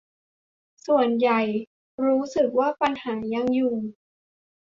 ส่วนใหญ่รู้สึกว่าปัญหายังอยู่